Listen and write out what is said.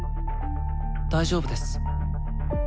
大丈夫です。